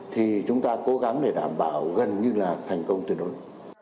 thì chúng ta cố gắng để đảm bảo gần như là thành công tuyệt đối